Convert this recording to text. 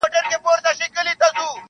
• بیا به موسم وي د پسرلیو -